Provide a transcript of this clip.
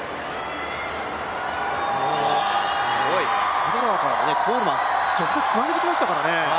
アドラーからコールマン、直接つなげてきましたからね。